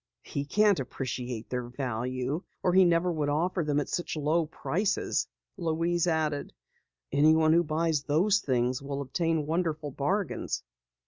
"He can't appreciate their value or he never would offer them at such low prices," Louise added. "Anyone who buys those things will obtain wonderful bargains."